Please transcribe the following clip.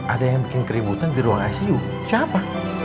ada yang bikin keributan di ruang icu siapa